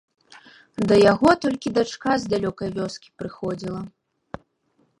Да яго толькі дачка з далёкай вёскі прыходзіла.